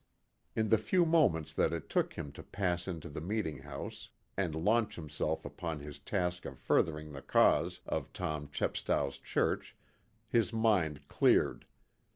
In the few moments that it took him to pass into the Meeting House and launch himself upon his task of furthering the cause of Tom Chepstow's church, his mind cleared.